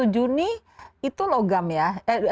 dua puluh satu juni itu logam ya